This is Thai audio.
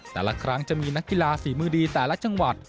แต่ละครั้งจะมีนักกีฬาฝีมือดีแต่ละจังหวัด